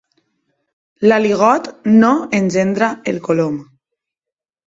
L'aligot no engendra el colom.